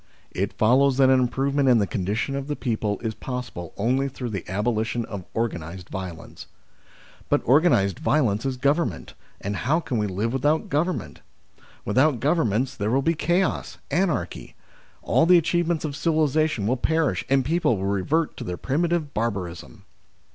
It follows that an improvement in the con dition of the people is possible only through the abolition of organised violence. "But organised violence is government, and how can we live without Governments ? With out Governments there will be chaos, anarchy ; all the achievements of civilisation will perish and people will revert to their primitive barbarism."